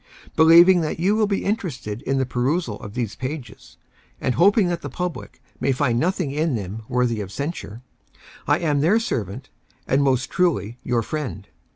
Believing that you will be interested in the perusal of these pages — and hoping that the public may find noth ing in them worthy of censure — I am their servant, and most truly, your friend.